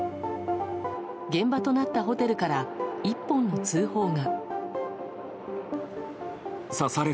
現場となったホテルから１本の通報が。